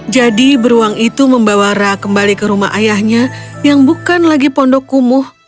jadi beruang itu membawa rah kembali ke rumah ayahnya yang bukan lagi pondok kumuh